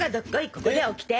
ここでオキテ！